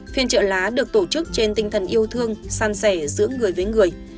phiên trợ lá được tổ chức trên tinh thần yêu thương san sẻ giữa người với người